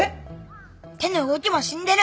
手の動きも死んでる。